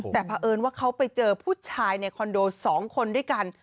แต่เพราะเอิญว่าเขาไปเจอผู้ชายในคอนโด๒คนด้วยกัน